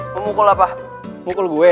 mau mukul apa mukul gue